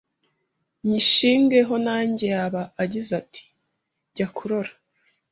Nyishinge ho nanjye Yaba agize ati: jya kurora